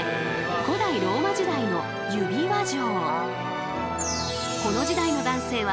古代ローマ時代の指輪錠。